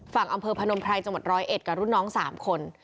ฝั่งอำเภอพนมไพรจังหวัดร้อยเอ็ดกับรุ่นน้อง๓คน